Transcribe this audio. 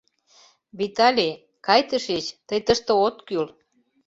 Виталий, кай тышеч, тый тыште от кӱл.